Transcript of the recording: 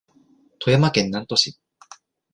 富山県南砺市